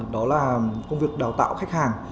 đó là công việc đào tạo khách hàng